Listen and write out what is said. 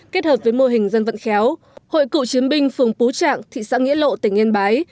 kết hợp với mô hình dân vận khéo hội cựu chiến binh phường pú trạng thị xã nghĩa lộ tỉnh yên bái